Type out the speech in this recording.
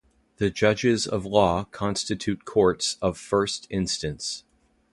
The judges of law constitute courts of first instance.